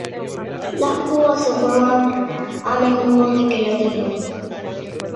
Las púas se forman a menudo de queratina.